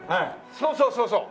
そうそうそうそう。